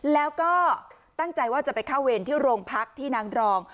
แล้วก็ตั้งใจว่าจะไปเข้าเวรที่โรงพักที่นางรอง